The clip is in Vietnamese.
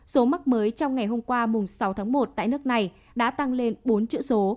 số mắc mới trong ngày hôm qua sáu tháng một tại nước này đã tăng lên bốn chữ số